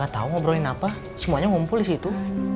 tau ngobrolin apa semuanya ngumpul di situ